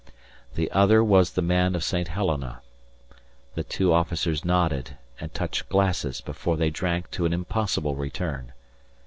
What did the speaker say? The Other was the man of St. Helena. The two officers nodded and touched glasses before they drank to an impossible return.